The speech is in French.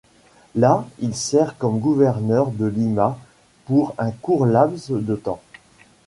Là, il sert comme gouverneur de Lima pour un court laps de temps.